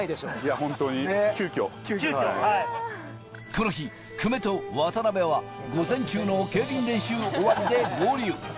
この日、久米と渡邉は午前中の競輪練習終わりで合流。